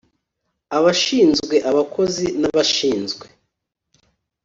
abashinzwe abakozi n abashinzwe